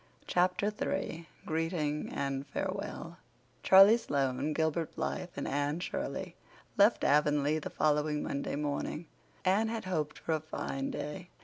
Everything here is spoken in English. Chapter III Greeting and Farewell Charlie Sloane, Gilbert Blythe and Anne Shirley left Avonlea the following Monday morning. Anne had hoped for a fine day.